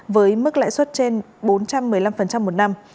với mức lãi suất trên bốn trăm một mươi năm một năm